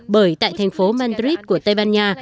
bởi tại thành phố madrid của tây ban nha